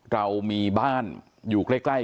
เรามีบ้านอยู่ใกล้